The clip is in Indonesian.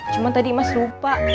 cuman tadi emas lupa